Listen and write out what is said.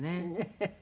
フフフ！